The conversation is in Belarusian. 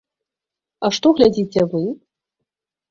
А што глядзіце вы?